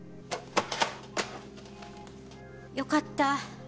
よかった。